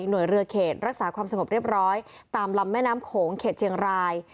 หน่วยเรือเขตรักษาความสงบเรียบร้อยตามลำแม่น้ำโขงเขตเชียงราย